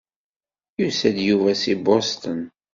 Yusa-d Yuba si Boston.